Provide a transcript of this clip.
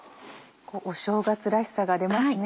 お正月らしさが出ますね。